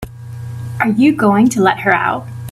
Are you going to let her out?